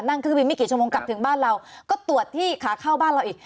เครื่องบินไม่กี่ชั่วโมงกลับถึงบ้านเราก็ตรวจที่ขาเข้าบ้านเราอีก